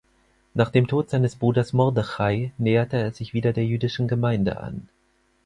Nach dem Tod seines Bruders Mordechai näherte er sich wieder der jüdischen Gemeinde an.